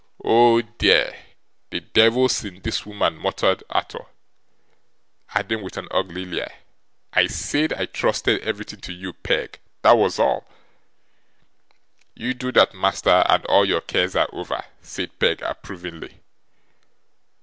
'Oh dear! the devil's in this woman,' muttered Arthur; adding with an ugly leer, 'I said I trusted everything to you, Peg. That was all.' 'You do that, master, and all your cares are over,' said Peg approvingly.